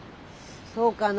そうかな？